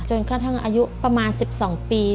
กระทั่งอายุประมาณ๑๒ปี